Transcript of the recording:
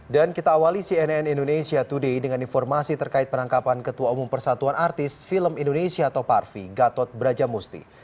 dan kita awali cnn indonesia today dengan informasi terkait penangkapan ketua umum persatuan artis film indonesia atau parvi gatot brajamusti